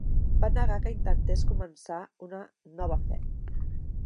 Va negar que intentés començar una "nova fe".